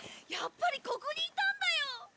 やっぱりここにいたんだよ！